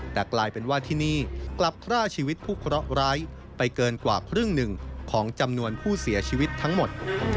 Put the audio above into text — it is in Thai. แต่กลายเป็นว่าที่นี่กลับฆ่าชีวิตผู้เคราะห์ร้ายไปเกินกว่าครึ่งหนึ่งของจำนวนผู้เสียชีวิตทั้งหมด